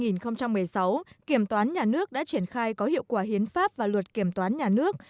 năm hai nghìn một mươi sáu kiểm toán nhà nước đã triển khai có hiệu quả hiến pháp và luật kiểm toán nhà nước